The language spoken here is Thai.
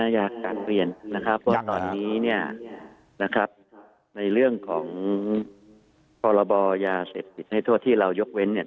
อยากกลับเรียนนะครับว่าตอนนี้เนี่ยนะครับในเรื่องของพรบยาเสพติดให้โทษที่เรายกเว้นเนี่ย